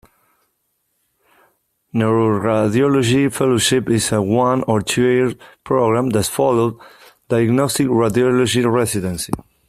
Neuroradiology fellowship is a one- or two-year program that follows diagnostic radiology residency.